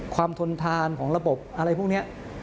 ทนทานของระบบอะไรพวกนี้